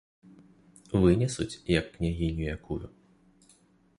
Вынесуць, як княгіню якую.